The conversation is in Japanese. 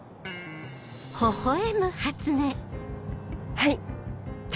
はい！